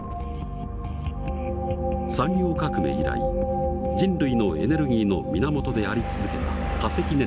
産業革命以来人類のエネルギーの源であり続けた化石燃料。